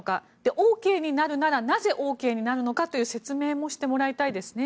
ＯＫになるならなぜＯＫになるのかという説明もしてもらいたいですね。